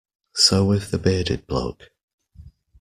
So with the bearded bloke.